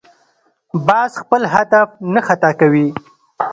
باز خپل هدف نه خطا کوي